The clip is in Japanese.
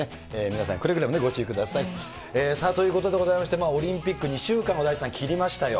皆さん、くれぐれもご注意ください。ということでございまして、オリンピック、２週間、大地さん、切りましたよ。